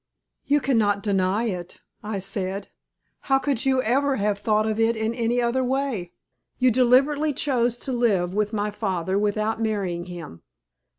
"You cannot deny it," I said. "How could you ever have thought of it in any other way? You deliberately chose to live with my father without marrying him.